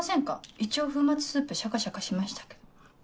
一応粉末スープシャカシャカしましたけど。